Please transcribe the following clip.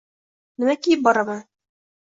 Nima kiyib boraman